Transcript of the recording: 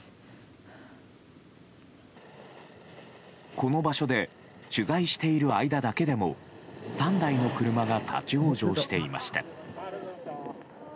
この場所で取材している間だけでも３台の車が立ち往生していました。